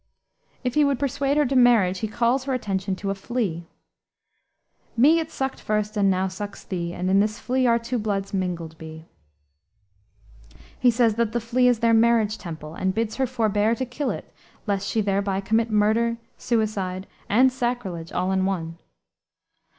If he would persuade her to marriage he calls her attention to a flea "Me it sucked first and now sucks thee, And in this flea our two bloods mingled be." He says that the flea is their marriage temple, and bids her forbear to kill it lest she thereby commit murder, suicide, and sacrilege all in one.